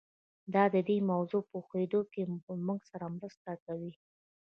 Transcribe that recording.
دا د دې موضوع په پوهېدو کې له موږ سره مرسته کوي.